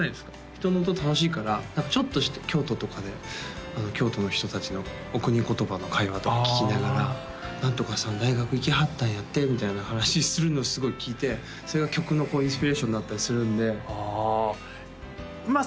人の音楽しいから何かちょっと京都とかで京都の人達のお国言葉の会話とか聞きながら「何とかさん大学行きはったんやって」みたいな話するのをすごい聞いてそれが曲のインスピレーションになったりするんでああまあ